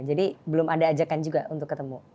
jadi belum ada ajakan juga untuk ketemu